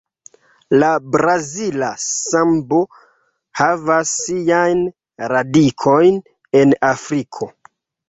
La brazila sambo havas siajn radikojn en Afriko.